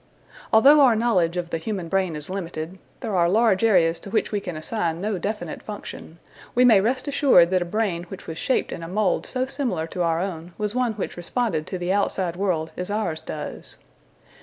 Although our knowledge of the human brain is limited there are large areas to which we can assign no definite function we may rest assured that a brain which was shaped in a mould so similar to our own was one which responded to the outside world as ours does.